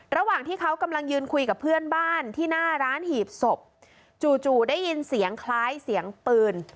ระหว่างที่เขากำลังยืนคุยกับเพื่อนบ้านที่หน้าร้านหีบศพจู่ได้ยินเสียงคล้ายเสียงปืน